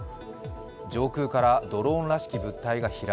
上空からドローンらしき物体が飛来。